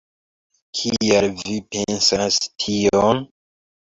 Kial vi pensas tion?